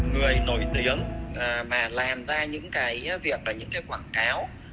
người nổi tiếng mà làm ra những cái việc là những cái quảng cáo